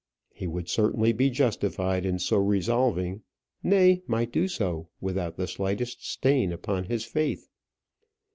He would certainly be justified in so resolving; nay, might do so without the slightest stain upon his faith.